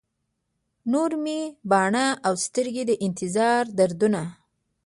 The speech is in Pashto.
نور مې باڼه او سترګي، د انتظار دردونه